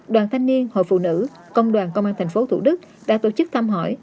đoàn thanh niên hội phụ nữ công đoàn công an thành phố thủ đức đã tổ chức thăm hỏi